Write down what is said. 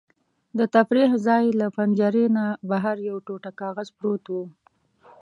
د تفریح ځای له پنجرې نه بهر یو ټوټه کاغذ پروت و.